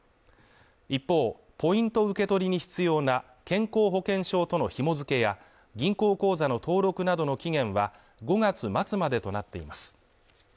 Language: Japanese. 一方、ポイント受け取りに必要な健康保険証との紐付けや銀行口座の登録などの期限は５月末までとなっています。